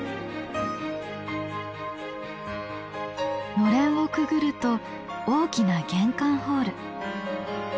のれんをくぐると大きな玄関ホール。